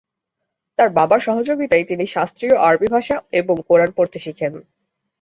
তার বাবার সহযোগিতায় তিনি শাস্ত্রীয় আরবি ভাষা এবং কোরআন পড়তে শিখেন।